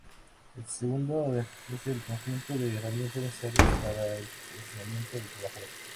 El segundo es el conjunto de herramientas necesarias para el posicionamiento del trabajador.